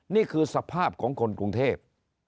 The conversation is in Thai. นี่คือสภาพของคนกรุงเทพ